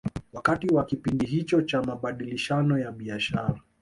Wakati wa kipindi hicho cha mabadilishano ya biashara